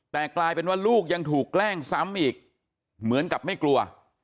แต่กลายเป็นว่าลูกยังถูกแกล้งซ้ำอีกเหมือนกับไม่กลัว